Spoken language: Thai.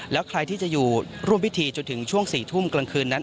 แล้วใครที่จะอยู่ร่วมพิธีจนถึงช่วง๔ทุ่มกลางคืนนั้น